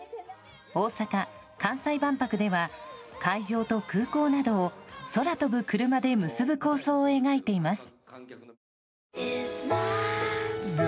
大阪・関西万博では会場と空港などを空飛ぶクルマで結ぶ構想を描いています。